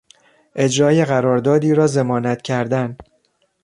اجرای قراردادی را ضمانت کردن